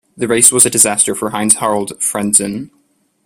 The race was a disaster for Heinz-Harald Frentzen.